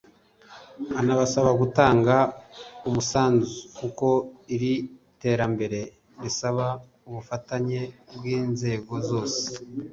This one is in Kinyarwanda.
anabasaba gutanga umusanzu kuko iri terambere risaba ubufatanye bw’inzego zose